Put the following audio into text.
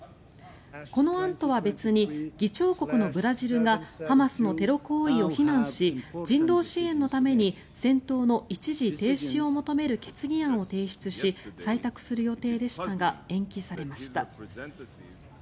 この案とは別に議長国のブラジルがハマスのテロ行為を非難し人道支援のために戦闘の一時停止を求める決議案を提出し採択する予定でしたが延期されました。